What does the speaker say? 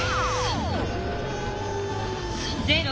ゼロ。